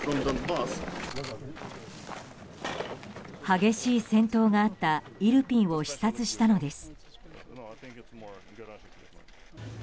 激しい戦闘があったイルピンを視察したのです。